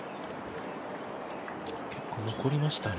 結構残りましたね。